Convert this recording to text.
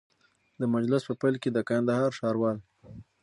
د مجلس په پیل کي د کندهار ښاروال